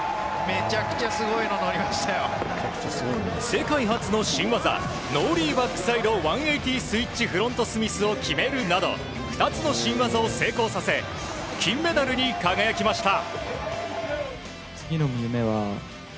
世界初の新技ノーリーバックサイド１８０スイッチフロントスミスを決めるなど２つの新技を成功させ金メダルに輝きました。